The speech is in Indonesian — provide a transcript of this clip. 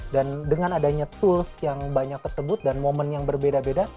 dan dengan adanya tools yang banyak tersebut dan momen yang berbeda beda